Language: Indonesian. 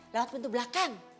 lewat pintu belakang